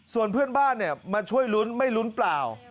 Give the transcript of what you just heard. ส่วนเพื่อนบ้านมาช่วยลุ้นไม่ลุ้นเปล่า